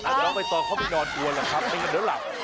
เอาไปตอนเขาไม่นอนกวนหรือครับไม่งั้นเดินหลับ